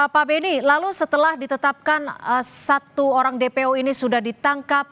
pak benny lalu setelah ditetapkan satu orang dpo ini sudah ditangkap